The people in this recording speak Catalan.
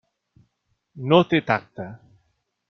No té tacte.